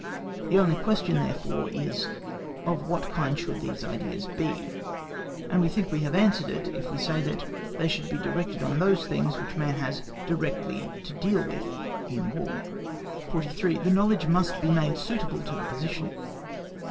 The only question therefore is, of what kind should these ideas be; and we think we have answered it if we say that they should be directed on those things which man has directly to deal with in War. 43. THE KNOWLEDGE MUST BE MADE SUITABLE TO THE POSITION.